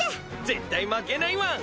絶対負けないワン。